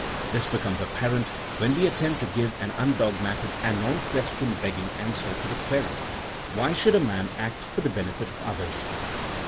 This becomes apparent when we attempt to give an undogmatic and non question begging answer to the query: Why should a man act for the benefit of oth ers!